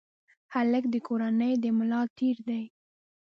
هلک د کورنۍ د ملا تیر دی.